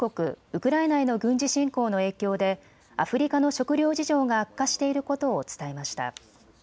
ウクライナへの軍事侵攻の影響でアフリカの食料事情が悪化していることを伝えました。